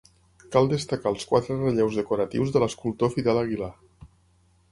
Cal destacar els quatre relleus decoratius de l'escultor Fidel Aguilar.